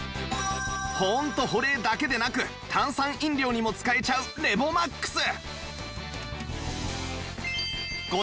保温と保冷だけでなく炭酸飲料にも使えちゃうレボマックス